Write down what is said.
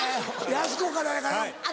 やす子からやから。